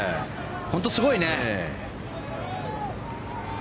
本当にすごいね。